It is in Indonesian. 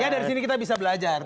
ya dari sini kita bisa belajar